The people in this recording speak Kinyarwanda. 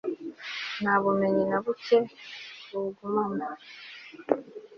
nta bumenyi na buke buwugumamo